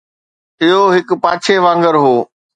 اهو هڪ پاڇي وانگر هو